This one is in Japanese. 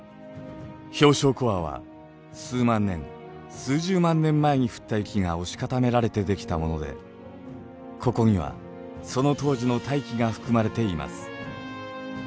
氷床コアは数万年数十万年前に降った雪が押し固められて出来たものでここにはその当時の大気が含まれています。